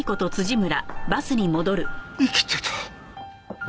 生きてた。